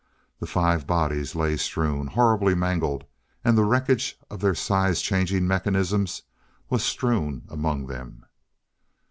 The five bodies lay strewn horribly mangled. And the wreckage of their size change mechanisms was strewn among them.